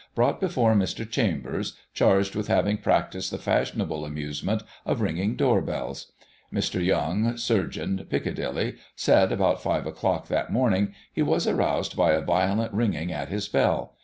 brought before Mr. Chambers, charged with having practised the fashionable amusement of ringing door bells. Mr. Young, surgeon, Piccadilly, said, about 5 o'clock that morning he was roused by a violent ringing at his bell.